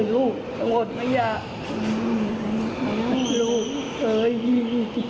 ลูกโอ๊ยพี่